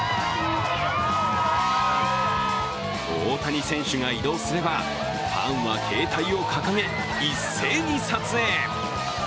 大谷選手が移動すればファンは携帯を掲げ一斉に撮影。